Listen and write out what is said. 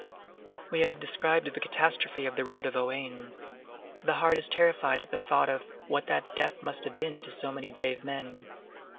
We have described the catastrophe of the road of Ohain. The heart is terrified at the thought of what that death must have been to so many brave men.